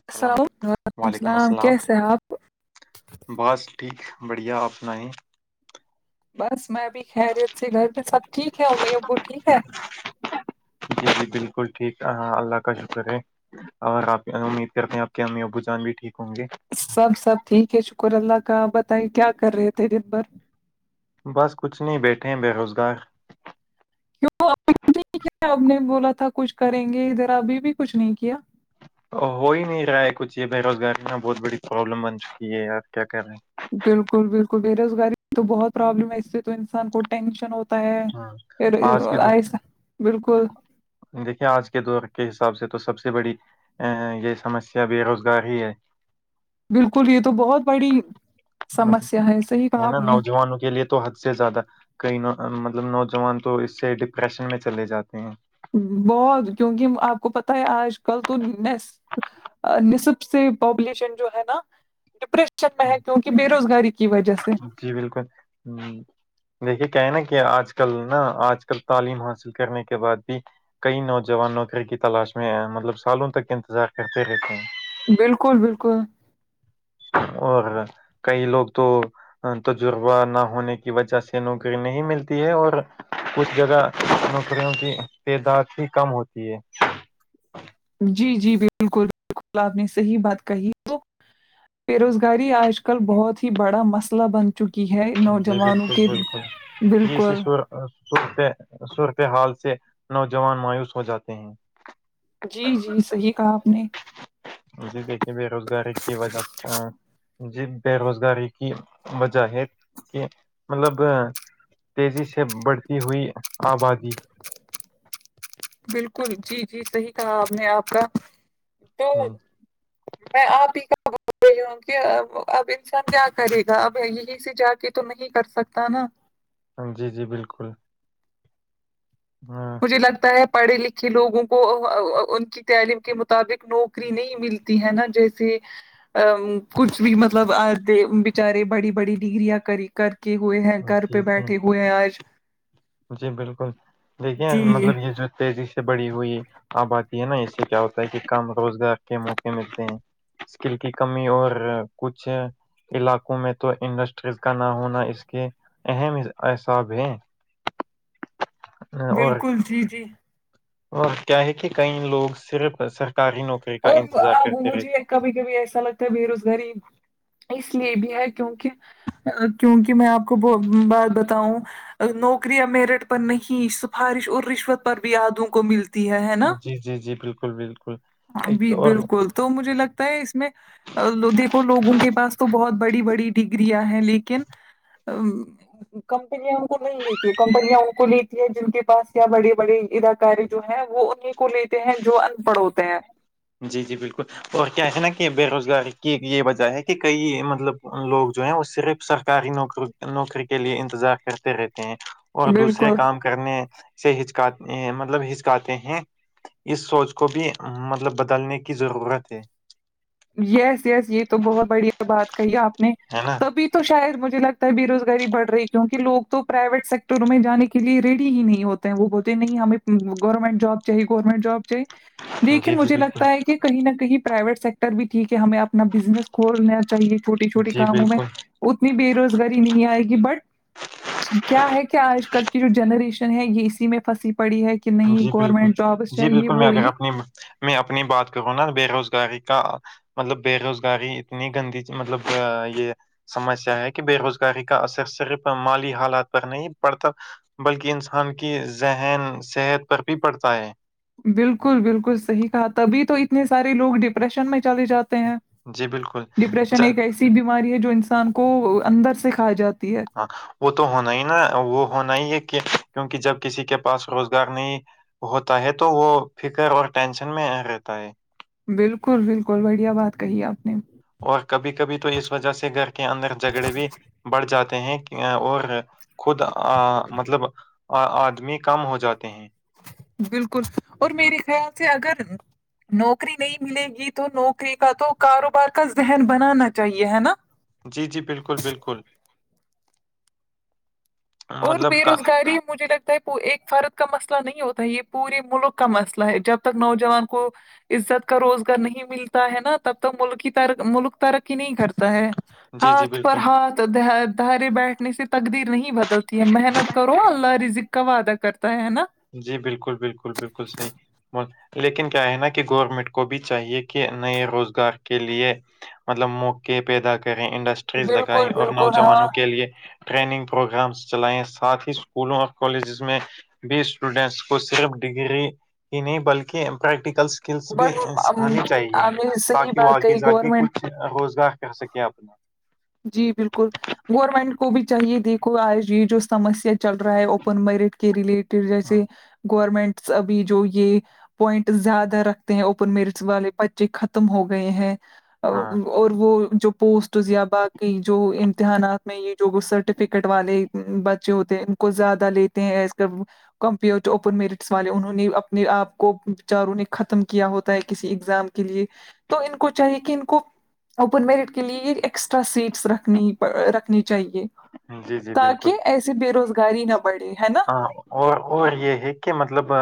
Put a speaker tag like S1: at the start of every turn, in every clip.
S1: السل
S2: السلام
S1: وعلیکم السلام کیسے ہیں آپ
S2: بس ٹھیک بڑھیا آپ سنائیں
S1: بس میں بھی خیریت سے گھر پہ سب ٹھیک ہے امی ابو ٹھیک ہے
S2: جی جی بالکل ٹھیک اللہ کا شکر ہے اور آپ امید کرتے ہیں آپ کے امی ابو جان بھی ٹھیک ہوں گے
S1: سب سب ٹھیک ہے شکر اللہ کا بتائیے کیا کر رہے تھے دن بھر
S2: بس کچھ نہیں بیٹھے ہیں بے روزگار
S1: کیوں [inaudible] کیا اب نے بولا تھا کچھ کریں گے ادھر ابھی بھی کچھ نہیں کیا
S2: ہو ہی نہیں رہا ہے کچھ یہ بے روزگاری نا بہت بڑی پرابلم بن چکی ہے آپ کیا کر رہے ہیں
S1: بالکل بالکل بے روزگاری تو بہت پرابلم ہے اس سے تو انسان کو ٹینش ہوت تا ہے
S2: ہیں ہاں آج کے
S1: آئیس بالکل
S2: دیکھیے آج کے دور کے حساب سے تو سب سے بڑی ا یہ سمسیا بے روزگاری ہے
S1: بالکل یہ تو بہت بڑی سمسیا ہے صحیح کہا آپ نے
S2: مونو کے لیے تو حد سے زیادہ کئی مطلب نوجوان تو اس سے ڈپریشن میں چلے جاتے ہیں
S1: بہت کیونکہ آپ کو پتا ہے آج کل تو نس نصب سے پاپولیشن جو ہے نا ڈپریشن ن میں ہے کیونکہ بے روزگاری کی وجہ سے
S2: جی بالکل دیکھیے کیا ہے نا کہ آج کل نا آج کل تعلیم حاصل کرنے کے بعد بھی کئی نوجوان نوکری کی تلاش میں ہیں مطلب سالوں تک انتظار کرتے رہتے ہیں
S1: بالکل بالکل
S2: اور کئی لوگ تو تجربہ نہ ہونے کی وجہ سے نوکری نہیں ملتی ہے اور کچھ جگہ نوکریوں کی تعداد ہی کم ہوتی ہے
S1: جی جی بالکل بالکل آپ نے صحیح بات کہی تو بے روزگاری آج کل بہت ہی بڑا مسئلہ بن چکی ہے
S2: جی
S1: نوجوانوں کے بالکل
S2: صر صورت حال سے نوجوان مایوس ہو جاتے ہیں
S1: جی جی صحیح کہا آپ نے
S2: جی دیکھے بے روزگاری کی وجہ سے جی بے روزگاری کی وجہ ہے کہ مطلب تیزی سے بڑھتی ہوئی آبادی
S1: بالکل جی جی صحیح کہا آپ نے آپ کا تو
S2: ہوں،
S1: میں آپ ہی [inaudible] کہ اب انسان کیا کرے گا اب یہیں سے جا کے تو نہیں کر سکتا نا
S2: اں جی جی بالکل ہاں
S1: مجھے لگتا ہے پڑھے لکھے لوگوں کو ان کی تعلیم کے مطابق نو کری نہیں ملتی ہے نا جیسے کچھ بھی مطلب آئے بچارے بڑی بڑی ڈگریاں کری کر کے ہوئے ہیں گھر
S2: جی
S1: پہ بیٹھے
S2: جی
S1: ہوئے ہیں آج
S2: جی بالکل دیکھیے
S1: جی
S2: مطلب یہ جو تیزی سے بڑی ہوئی آبادی ہے نا اسے کیا ہوتا ہے کہ کام روزگار کے موقع ملتے ہیں اسکل کی کمی اور کچھ علاقوں میں تو انڈسٹریز کا نہ ہونا اس کے اہم اساب ہے اور
S1: بالکل جی جی
S2: اور کیا ہے کہ کئی لوگ صرف سرکاری نوک
S1: اور اب مجھے کبھی کبھی ایسا لگتا ہے بے روزگاری اس لیے بھی ہے کیونکہ کیونکہ میں آپ کو ب بات بتاؤں نوکریا میرٹ پر نہیں سفارش اور رشوت پر بھی آدوں کو مل
S2: جی جی جی بالکل بالکل
S1: ہاں
S2: ایک اور
S1: بالکل تو مجھے لگتا ہے اس میں دیکھو لوگوں کے پاس تو بہت بڑی بڑی ڈگریاں ہیں لیکن کمپنیاں ان کو نہیں لیتی ہے کمپنیاں ان کو لیتی ہے جن کے پاس کیا بڑے بڑے ادا کاری جو ہے وہ انیں کو لیتے ہیں جو ان پڑھ ہوتے ہیں
S2: جی جی بالکل اور کیا ہے نا کہ بے روزگاری کی یہ وجہ ہے کہ کئی مطلب لوگ جو ہے وہ صرف سرکاری نوکری کے لیئے انتظار کرتے رہتے ہیں اور دوسرے
S1: بالکل
S2: کام کرنے سے ہچکات مطلب ہچکاتے ہیں اس سوچ کو بھی مطلب بدلنے کی ضرورت ہے
S1: یس یس یہ تو بہت بڑھیا بات کہی آپ نے
S2: ہے نا
S1: تبھی تو شاید مجھے لگتا ہے بے روزگاری بڑ رہی کیونکہ لوگ تو پرائیویٹ سیکٹروں میں جانے کے لیے ریڈی ہی نہیں ہوت وہ بولتے ہیں نہیں ہمیں گورنمنٹ جاب چاہے گورنمنٹ جاب چھ دیکھیے
S2: جی جی
S1: مجھے
S2: بالکل
S1: لگتا ہے کہ کہیں نہ کہیں پرائیویٹ سیک اب تک بھی ٹھیک ہے ہمیں اپنا بزنس کھولنا چاہیے چھوٹی چھوٹی
S2: جی
S1: کاموں میں
S2: بالکل
S1: اتنی بے روزگاری نہیں آئے گی بٹ کیا ہے کہ آج کل کی جو جنریشن ہے یہ اسی میں پھنسی پڑی ہے کہ نہیں گورنمنٹ جابس چاہیے وو یہ
S2: اب میں اپنی بات کروں نا تو بے روزگاری کا مطلب بے روزگاری اتنی گندی چ مطلب یہ سمسیا ہے کہ بے روزگاری کا اثر صرف مالی حالات پر نہیں پڑتا بلکہ انسان کی ذہن صحت پر بھی پڑتا ہے
S1: بالکل بالکل صحیح کہا تبھی تو اتنے سارے لوگ ڈپریشن میں چلے جاتے ہیں
S2: جی بالکل
S1: ڈپریشن
S2: ج-
S1: ایک ایسی بیماری ہے جو انسان کو اندر سے کھائی جاتی ہے
S2: ہاں وہ تو ہونا ہی نا وہ ہونا ہی ہے کہ کیونکہ جب کسی کے پاس روزگار نہیں ہوتا ہے تو وہ فکر اور ٹینشن میں رہتا ہے
S1: بالکل بالکل بڑھیا بات کہی آپ نے
S2: اور کبھی کبھی تو اس وجہ سے گھر کے اندر جھگڑے بھی بڑھ جاتے ہیں کے اور خود ا مطلب ا آدمی کم ہو جاتے ہیں
S1: بالکل اور میرے خیال سے اگر نوکری نہیں ملے گی تو نوکری کا تو کاروبار کا ذہن بنانا چاہیے ہے نا
S2: جی جی بالکل بالکل
S1: اور
S2: مطلب
S1: بے
S2: کا
S1: روزگاری مجھے لگتا ہے وہ ایک فرد کا مسئلہ نہیں ہوتا ہے یہ پورے ملک کا مسئلہ ہے جب تک نوجوان کو عزت کا روزگار نہیں ملتا ہے نا تب تک ملکی تر ملک ترقی نہیں کرتا ہے
S2: جی جی
S1: ہاتھ پر
S2: بالکل
S1: ہاتھ د دہرے بیٹھنے سے تقدیر نہیں بدل تی ہے محنت کرو اللہ رزق کا وعدہ کرتا ہے نا
S2: جی بالکل بالکل بالکل صیح لیکن کیا ہے نا کہ گورنمنٹ کو بھی چاہیے کہ نئے روزگار کے لیے مطلب موقعے پیدا کریں انڈسٹریز لگائیں
S1: بالکل
S2: اور
S1: بالکل ہاں
S2: نوجوانوں کے لیے ٹریننگ پروگرامس چلائیں ساتھ ہی اسکولوں اور کالجز میں بھی اسٹوڈینٹس کو صرف ڈگری ہی نہیں بلکہ پریکٹیکلس اسکلس بھی
S1: بٹ
S2: سکھانی چاہیے
S1: ہم نے صحیح
S2: تاکہ وہ
S1: بات
S2: آگے
S1: کہی
S2: جا کے
S1: گورنمنٹ
S2: کچھ روزگار کر سکے اپنا
S1: جی بالکل گورنمنٹ کو بھی چاہیے دیکھو آج یہ جو سمسیا چل رہا ہے اوپن میرٹ کے ریلیٹڈ جیسے گورمنٹس ابھی جو یہ پوائنٹ زیادہ رکھتے ہیں اوپن میرٹس والے بچے ختم ہو گئے ہیں ا
S2: ہاں
S1: اور وہ جو پوسٹز زیادہ کہ جو امتحانات میں یہ جو وہ سرٹیفکیٹ والے بچے ہوتے ہیں ان کو زیادہ لی تے ہے اس کا اب کمپیئٹ اوپن میرٹس والے انہوں نے اپنے آپ کو بے چاروں نے ختم کیا ہوتا ہے کسی ایگزام کے لیے تو ان کو چاہیے کہ ان کو اوپن میرٹ کے لیے یہ ایکسٹرا سیٹ س رکھنی رکھنی چاہیے
S2: جی جی بالکل
S1: تاکہ ایسے بے روزگاری نہ بڑھے ہے نا
S2: ہاں اور اور یہ ہے کہ مطلب ا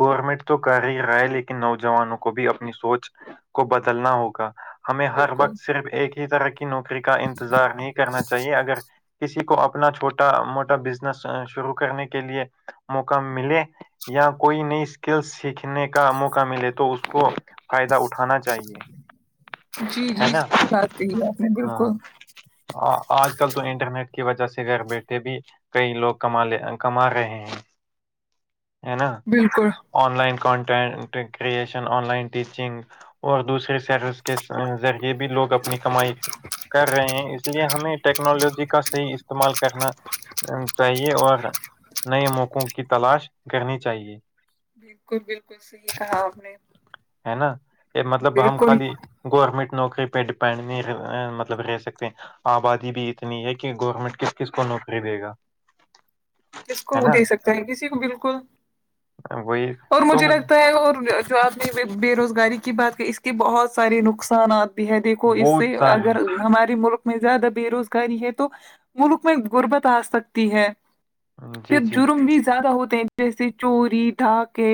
S2: گورنمنٹ تو کر ہی رہا ہے لی کن نوجوانوں کو بھی اپنی سوچ کو بدلنا ہوگا ہمیں ہر
S1: بالکل
S2: وقت صرف ایک ہی طرح کی نوکری کا انتظار نہیں کرنا چاہیے اگر کسی کو اپنا چھوٹا موٹا بزنس شروع کرنے کے لیے موقع ملے یا کوئی نئی اسکل سیکھنے کا موقع ملے تو اس کو فائدہ اٹھانا چاہیے
S1: جی جی
S2: ہے نا
S1: صحیح بات کہی ہے آپ نے
S2: ہاں
S1: بالکل
S2: آ آج کل تو انٹرنیٹ کی وجہ سے گھر بیٹھے بھی کئی لوگ کما لے کما رہے ہیں ہے نا
S1: بالکل
S2: online content creation online teaching اور دوسرے سر کے زا ذریعے بھی لوگ اپنی کمائی کر رہے ہیں اس لیے ہمیں ٹیکنالوجی کا صحیح استعمال کرنا چاہیے اور نئے موقعوں کی تلاش کرنی چاہیے
S1: بالکل بالکل صحیح کہا آپ نے
S2: ہے نا کے مطلب ہم
S1: بالکل
S2: خالی گورنمنٹ نوکری پہ ڈیپینڈ نہیں رہ مطلب رہ سکتے آبادی بھی اتنی ہے کہ گورنمنٹ کس کس کو نوکری دے گا
S1: کس کو
S2: ہے
S1: وہ دے سکتا ہے کسی کو بالکل
S2: آ وہی ہے
S1: اور مجھے لگتا ہے اور جو آپ نے بے روزگاری کی بات کی اس کے بہت سارے نقصانات بھی ہے دیکھو اس
S2: بہت
S1: سے اگر
S2: سارے
S1: ہمارے ملک میں زیادہ بے روزگاری ہے تو ملک میں غربت آ سکتی ہے
S2: جی
S1: پھر
S2: جی
S1: جرم بھی زیادہ ہوتے ہیں جیسے چوری ڈھاک کہ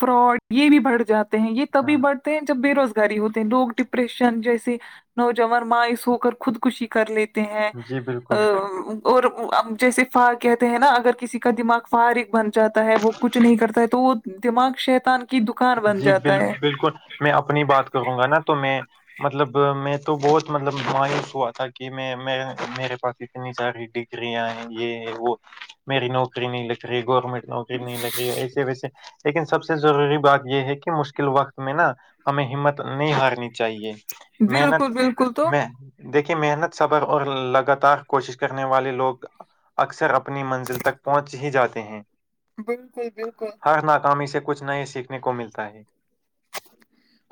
S1: فراڈ یہ بھی بڑھ جاتے ہیں یہ تبھی
S2: ہاں
S1: بٹ تے ہے جب بے روزگاری ہوتے ہیں لوگ ڈپریشن جیسے نوجوان ماںیں سو کر خود کشی کر لیتے ہیں
S2: جی بالکل
S1: آوم اور اب جیسے فار کہتے ہیں نا اگر کسی کا دماغ فارغ بن جاتا ہے وہ کچھ نہیں کرتا ہے تو وہ دماغ شیطان کی دکان بن
S2: جی بال
S1: جاتا ہے
S2: بالکل میں اپنی بات کہوگا نا تو میں مطلب میں تو بہت مطلب مایوس ہوا تھا کہ میں میں میرے پاس اتنی ساری ڈی گریہ یہ وہ میری نوکری نہیں لگ رہی گورنمنٹ نوکری نہیں لگ رہی ایسے ویسے لیکن سب سے ضروری بات یہ ہے کہ مشکل وقت میں نا ہمیں ہمت نہیں ہارنی چاہیے
S1: بالکل
S2: محنت
S1: بالکل تو
S2: میں دیکھئے محنت صبر اور لگاتار کوشش کرنے والے لوگ اکثر اپنی منزل تک پہنچ ہی جاتے ہیں
S1: بالکل بالکل
S2: ہر ناکامی سے کچھ نئے سیکھنے کو ملتا ہے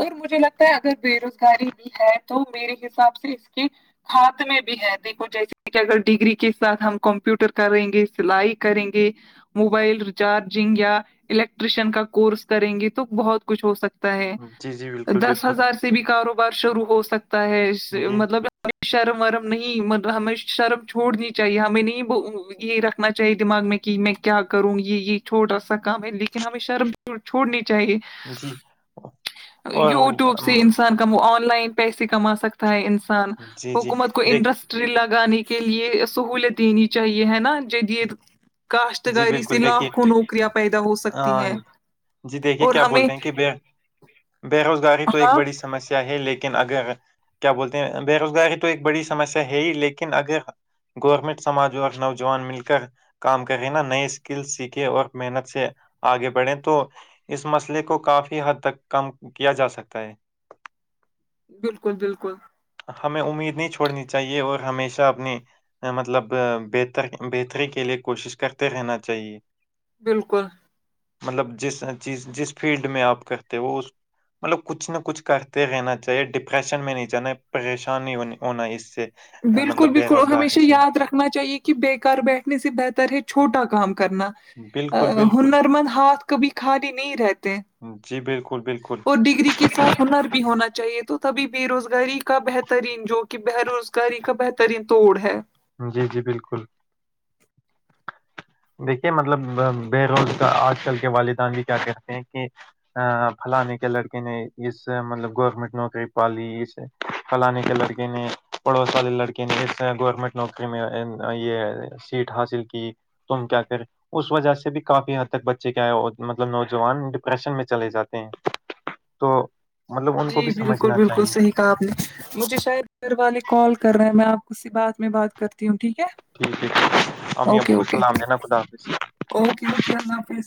S1: اور مجھے لگتا ہے اگر بے روزگاری بھی ہے تو میرے حساب سے اس کے ہاتھ میں بھی ہے دیکھو جیسے کہ اگر ڈگری کے ساتھ ہم کمپیوٹر کریں گے سلائی کریں گے موبائل ریچارجنگ یا الیکٹریشن کا کورس کریں گے تو بہت کچھ ہو سکت تا ہے
S2: جی جی بالکل
S1: دس
S2: بالکل
S1: ہزار سے بھی کاروبار شروع ہو سکتا ہے اس سے
S2: جی
S1: مطلب ہم شرم ورم نہیں مطلب ہمیں شرم چھوڑنی چاہیے ہمیں نہیں وہ یہ رکھنا چاہیے دماغ میں کہ میں کیا کروں گی یہ چھوٹا سا کام ہے لیکن ہمیں شرم چھوڑنی چاہیے
S2: جی اور
S1: یوٹیوب سے
S2: ام،
S1: ان سان کب آن لائن پیسے کما سکتا ہے انسان
S2: جی جی
S1: حکومت کو
S2: دیکھ
S1: انٹرسٹ ٹری لگانے کے لیے سہولت دینی چاہیے ہے نا جدید
S2: جی
S1: کاشتکاری سے
S2: بالکل دیکھیے
S1: لاکھوں نوکریاں پیدا ہو سکتی
S2: آ،
S1: ہے
S2: جی دیکھیے کیا بولتے ہیں کہ بے بے روزگاری تو ایک
S1: ہاں
S2: بڑی س سمسیا ہے لیکن اگر کیا بولتے ہیں بے روزگاری تو ایک بڑی سمسیا ہے ہی لیکن اگر گورنمنٹ سماج اور نوجوان مل کر کام کہے نا نئے اسکل سیکھیں اور محنت سے آگے بڑھے تو اس مسئلے کو کافی حد تک کم کیا جا سکتا ہے
S1: بالکل بالکل
S2: ہمیں امید نہیں چھوڑنی چاہیے اور ہمیشہ اپنی مطلب بہتر بہتری کے لیے کوشش کرتے رہنا چاہیے
S1: بالکل
S2: مطلب جس چیز جس فیلڈ میں آپ کرتے ہو وہ مطلب کچھ نہ کچھ کرتے رہنا چاہیے ڈپریشن میں نہیں جانا پریشانی نی ہو ہونا اس سے اہ،
S1: بالکل
S2: مطلب بے
S1: بالکل
S2: روزگاری
S1: ہمیشہ
S2: سے
S1: یاد رکھ نا چاہیے کہ بیکار بیٹھنے سے بہتر ہے چھوٹا کام کرنا آ
S2: بالکل بالکل
S1: ہنر مند ہاتھ کبھی خالی نہیں رہتے
S2: جی بالکل بالکل
S1: اور ڈگری کے ساتھ ہنر بھی ہونا چاہیے تو تبھی بے روزگاری کا بہترین جو کہ بہ روز کری کا بہترین توڑ ہے
S2: جی جی بالکل دیکھیے مطلب بے روزگار آج کل کے والدین بھی کیا کہتے ہیں کہ ا فلانے کے لڑکے نے اس سے مطلب گورنمنٹ نوکری پا لی اس فلانے کے لڑکے نے پڑوس والے لڑکے نے اس طرح گورنمنٹ نوکری میں یہ سیٹ حاصل کی تم کیا کرے اس وجہ سے بھی کافی حد تک بچے کیا ہے مطلب نوجوان ڈپریشن میں چلے جاتے ہیں تو مطلب ان کو بھی سمجھنا چاہیے
S1: کابلش مجھے شاید گھر والے کال کر رہے ہیں میں آپ کوسی بعد میں بات کرتی ہوں ٹھیک ہے
S2: ٹھیک ہے امی ابو
S1: اوکے
S2: کو
S1: اوکے
S2: سلام دینا خدا حافظ
S1: اوکے اوکے اللہ حافظ